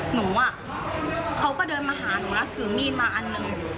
หนูอ่ะเขาก็เดินมาหาหนูแล้วถือมีดมาอันหนึ่ง